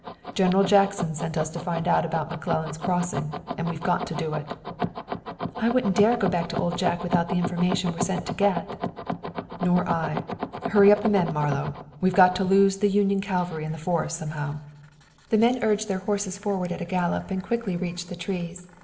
General Jackson sent us to find about McClellan's crossing, and we've got to do it." "I wouldn't dare go back to Old Jack without the information we're sent to get." "Nor I. Hurry up the men, Marlowe. We've got to lose the Union cavalry in the forest somehow." The men urged their horses forward at a gallop and quickly reached the trees.